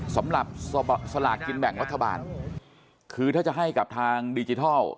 สำหรับสลากกินแบ่งรัฐบาลคือถ้าจะให้กับทางดิจิทัล